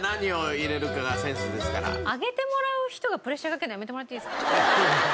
揚げてもらう人がプレッシャーかけるのやめてもらっていいですか？